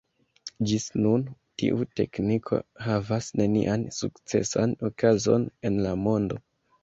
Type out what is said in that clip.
Ĝis nun tiu tekniko havas nenian sukcesan okazon en la mondo.